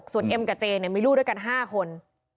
ส่วนเอ็มกับเจมีลูกด้วยกัน๕คน